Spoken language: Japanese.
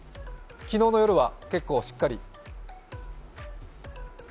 昨日の夜は結構しっかり？